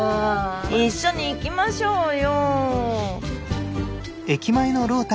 一緒に行きましょうよ。